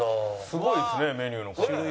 すごいですねメニュー。